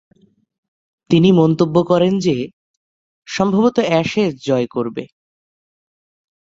তিনি মন্তব্য করেন যে, সম্ভবতঃ অ্যাশেজ জয় করবে।